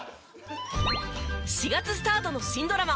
４月スタートの新ドラマ